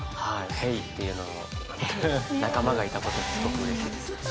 「Ｈｅｙ！」っていうのの仲間がいたことすごくうれしいです。